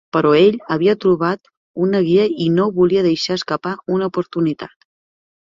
Però ell havia trobat una guia i no volia deixar escapar una oportunitat.